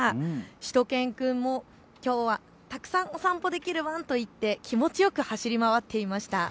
しゅと犬くんもきょうはたくさんお散歩できるワンと言って気持ちよく走り回っていました。